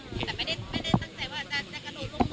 แต่ไม่ได้ตั้งใจว่าจะกระโดดลงมา